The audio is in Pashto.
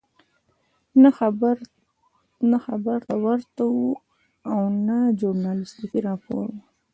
نه خبر ته ورته وو او نه ژورنالستیکي راپور وو.